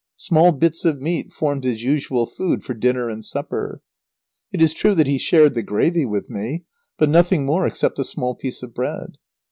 Small bits of meat formed his usual food for dinner and supper. It is true that he shared the gravy with me, but nothing more except a small piece of bread.